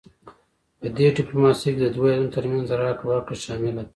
پدې ډیپلوماسي کې د دوه هیوادونو ترمنځ راکړه ورکړه شامله ده